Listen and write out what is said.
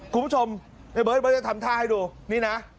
คุณผู้ชมเบิร์ดทำท่าให้ดูนี่นะ